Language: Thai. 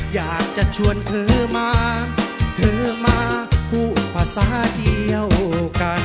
อยากจะชวนเธอมาเธอมาพูดภาษาเดียวกัน